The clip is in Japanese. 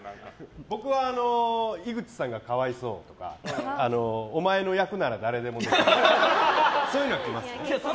僕は、井口さんが可哀想とかお前の役なら誰でもできるとかそういうのは来ますね。